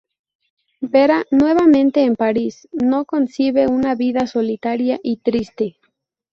Vera nuevamente en París, no concibe una vida solitaria y triste.